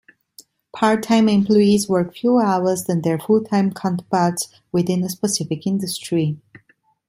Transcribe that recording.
Part-time employees work fewer hours than their full-time counterparts within a specific industry.